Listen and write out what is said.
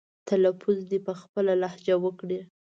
تلفظ دې په خپله لهجه وکړي.